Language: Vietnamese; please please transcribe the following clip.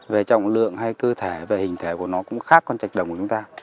về trọng lượng hay cơ thể về hình thể của nó cũng khác con trạch đồng của chúng ta